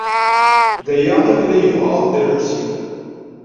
D aya ay yella yebɣa Dda Lḥusin.